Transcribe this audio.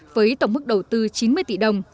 với tổng mức đầu tư chín mươi tỷ đồng